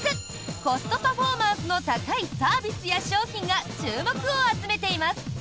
コストパフォーマンスの高いサービスや商品が注目を集めています。